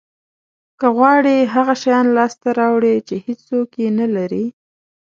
که غواړی هغه شیان لاسته راوړی چې هیڅوک یې نه لري